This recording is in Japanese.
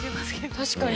確かに。